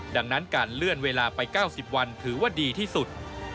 ดังนั้นการเลื่อนเวลาไป๙๐วันถือว่าดีที่สุด